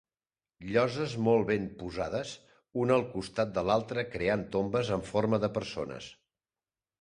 Lloses molt ben posades, una al costat de l'altre creant tombes en forma de persones.